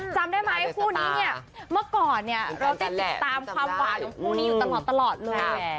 จำได้ไหมคู่นี้เนี่ยเมื่อก่อนเนี่ยเราได้ติดตามความหวานของคู่นี้อยู่ตลอดเลย